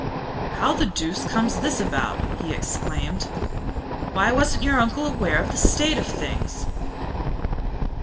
'How the deuce comes this about?' he exclaimed. 'Why, wasn't your uncle aware of the state of things?